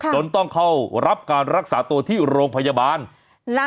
จนต้องเข้ารับการรักษาตัวที่โรงพยาบาล